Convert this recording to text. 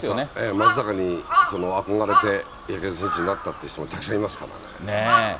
松坂に憧れて野球選手になったっていう人もたくさんいますかねえ。